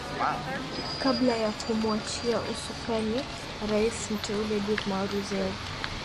kabla ya kumuachia usukani rais muteule dirma ruzeo